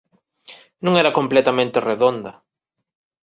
Non era completamente redonda.